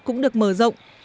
cũng được mở rộng